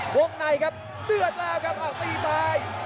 วงในครับเดือดแล้วครับอักตีไป